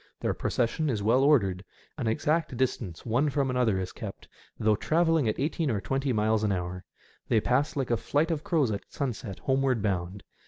Their procession is well ordered. An exact distance one from another is kept, though travelling at eighteen or twenty miles an hour. They pass like a flight of crows at sunset homeward bound.